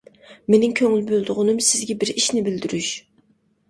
مېنىڭ كۆڭۈل بۆلىدىغىنىم سىزگە بىر ئىشنى بىلدۈرۈش.